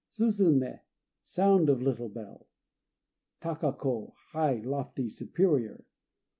Suzunë "Sound of Little Bell." Taka ko "High," lofty, superior.